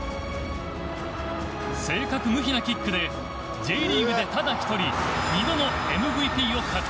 正確無比なキックでＪリーグでただ一人２度のＭＶＰを獲得。